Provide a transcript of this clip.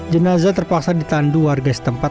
jenazah terpaksa ditandu warga setempat